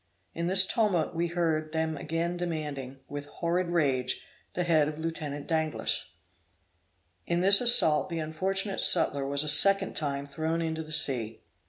In this tumult we heard them again demanding, with horrid rage, the head of Lieut. Danglas! In this assault the unfortunate sutler was a second time thrown into the sea.